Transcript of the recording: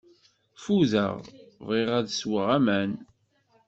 Fudeɣ, bɣiɣ ad sweɣ aman.